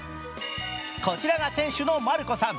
こちらが店主のマルコさん。